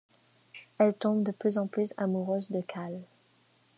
Elle tombe de plus en plus amoureuse de Cal.